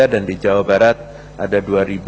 dan di jawa barat ada dua satu ratus tujuh puluh empat